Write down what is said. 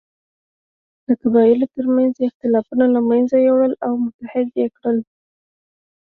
د قبایلو تر منځ یې اختلافونه له منځه یووړل او متحد یې کړل.